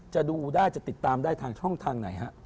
จะดูได้จะติดตามได้ทางช่องทางไหนฮะ